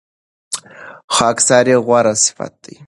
خاکساري غوره صفت دی.